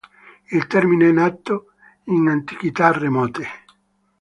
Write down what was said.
Il termine è nato in antichità remote.